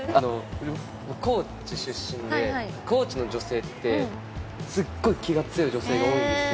高知出身で高知の女性ってすっごい気が強い女性が多いんですよ。